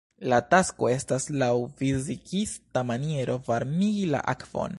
La tasko estas, laŭ fizikista maniero varmigi la akvon.